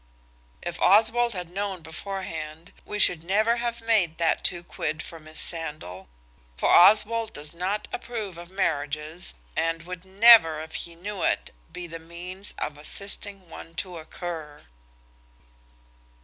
If Oswald had known beforehand we should never have made that two quid for Miss Sandal. For Oswald does not approve of marriages and would never, if he knew it, be the means of assisting one to occur.